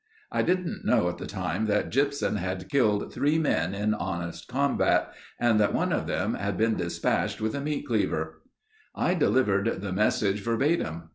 "I didn't know at the time that Gypsum had killed three men in honest combat and that one of them had been dispatched with a meat cleaver. "I delivered the message verbatim.